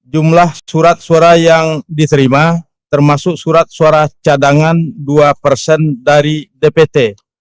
jumlah surat suara yang diterima termasuk surat suara cadangan dua persen dari dpt